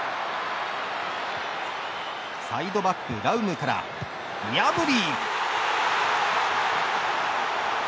サイドバックラウムからニャブリ。